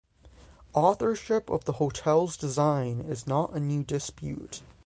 Authorship of the hotel's design is not a new dispute.